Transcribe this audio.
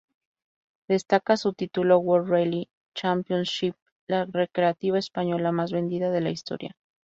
Destaca su título World Rally Championship, la recreativa española más vendida de la historia.